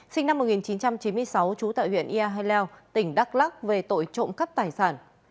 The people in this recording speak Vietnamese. sinh năm một nghìn chín trăm chín mươi sáu trú tại huyện ia hai leo tỉnh đắk lắc về tội trộm cắp tài sản